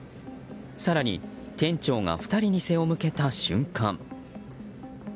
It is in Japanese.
更に、店長が２人に背を向けた瞬間。